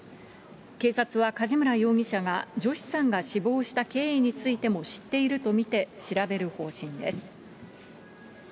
警察は梶村容疑者がジョシさんが死亡した経緯についても知っていると見て調べる方針です。